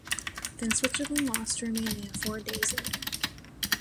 Then Switzerland lost to Romania four days later.